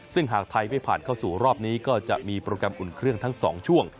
ซึ่งหากไทยไม่ผ่านเข้าสู่รอบนี้ก็จะมีโปรแกรมอุ่นเครื่องทั้ง๒ช่วง